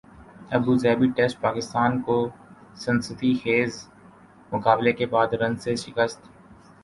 ابو Dhabi test Pakistan کو سنسنی خیزمقابلے کے بعد رنز سے شکست